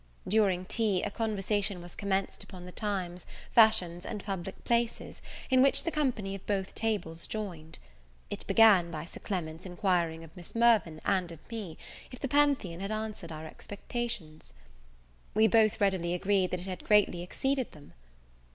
During tea, a conversation was commenced upon the times, fashions, and public places, in which the company of both tables joined. It began by Sir Clement's inquiring of Miss Mirvan and of me, if the Pantheon had answered our expectations. We both readily agreed that it had greatly exceeded them.